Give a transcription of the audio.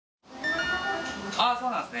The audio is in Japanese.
△そうなんですね